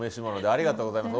ありがとうございます。